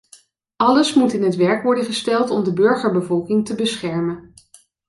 Alles moet in het werk worden gesteld om de burgerbevolking te beschermen.